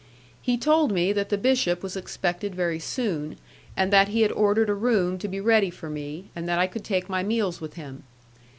He told me that the bishop was expected very soon, and that he had ordered a room to be ready for me, and that I could take my meals with him.